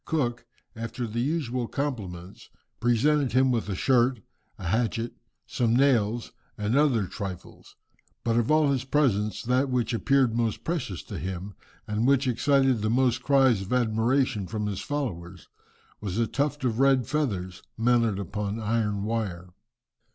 Cook, after the usual compliments, presented him with a shirt, a hatchet, some nails, and other trifles. But of all his presents, that which appeared most precious to him, and which excited most cries of admiration from his followers, was a tuft of red feathers mounted upon iron wire.